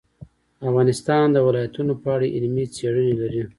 افغانستان د ولایتونو په اړه علمي څېړنې لري.